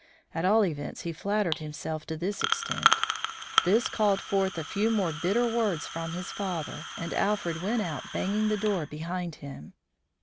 At all events he flattered himself to this extent. This called forth a few more bitter words from his father, and Alfred went out, banging the door behind him.